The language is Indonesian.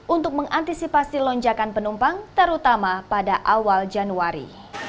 untuk mengantisipasi lonjakan penumpang terutama pada awal januari